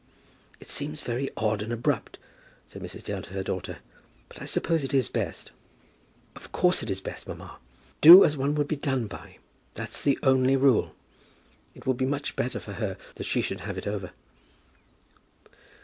"It seems very odd and abrupt," said Mrs. Dale to her daughter, "but I suppose it is best." "Of course it is best, mamma. Do as one would be done by, that's the only rule. It will be much better for her that she should have it over."